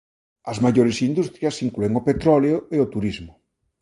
As maiores industrias inclúen o petróleo e o turismo.